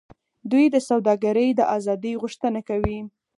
دوی د سوداګرۍ د آزادۍ غوښتنه کوي